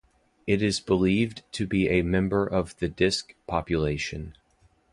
It is believed to be a member of the disk population.